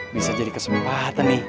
bisa jadi kesempatan nih